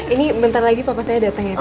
ini bentar lagi papa saya dateng ya tante